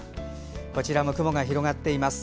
こちらも雲が広がっています。